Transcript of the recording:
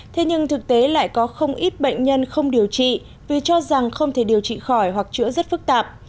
thế nhưng thực tế lại có không ít bệnh nhân không điều trị vì cho rằng không thể điều trị khỏi hoặc chữa rất phức tạp